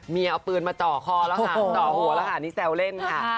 เอาปืนมาจ่อคอแล้วค่ะจ่อหัวแล้วค่ะนี่แซวเล่นค่ะ